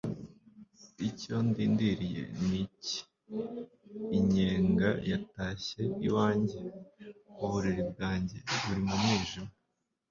icyo ndindiriye ni iki? inyenga yatashye iwanjye, uburiri bwanjye buri mu mwijima